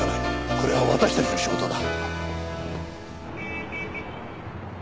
これは私たちの仕事だ。